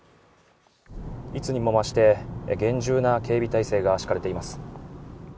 いつにも増して厳重な警備体制が敷かれています。